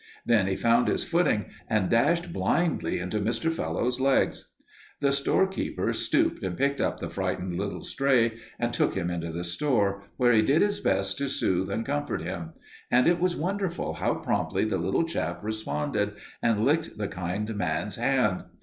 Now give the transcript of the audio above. Then he found his footing and dashed blindly into Mr. Fellowes's legs. The shopkeeper stooped and picked up the frightened little stray and took him into the store, where he did his best to soothe and comfort him, and it was wonderful how promptly the little chap responded and licked the kind man's hand.